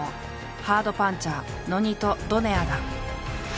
ハードパンチャーノニト・ドネアだ。